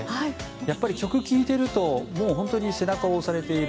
曲を聴いていると本当に背中を押されている。